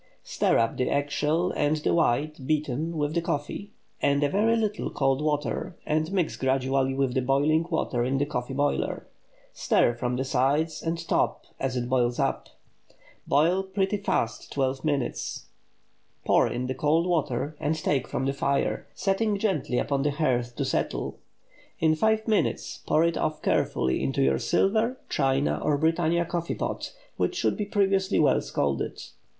Stir up the eggshell and the white (beaten) with the coffee, and a very little cold water, and mix gradually with the boiling water in the coffee boiler. Stir from the sides and top as it boils up. Boil pretty fast twelve minutes; pour in the cold water and take from the fire, setting gently upon the hearth to settle. In five minutes, pour it off carefully into your silver, china, or Britannia coffee pot, which should be previously well scalded.